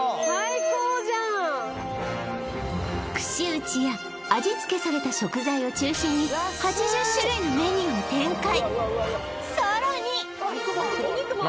串打ちや味付けされた食材を中心に８０種類のメニューを展開さらに！